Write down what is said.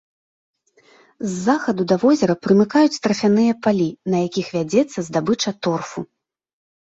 З захаду да возера прымыкаюць тарфяныя палі, на якіх вядзецца здабыча торфу.